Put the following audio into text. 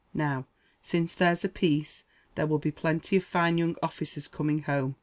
Now, since there's a peace, there will be plenty of fine young officers coming home.